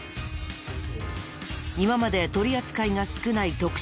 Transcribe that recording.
今まで取り扱いが少ない特殊な手口。